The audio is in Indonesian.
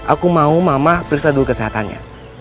aku mau mama periksa dulu kesehatannya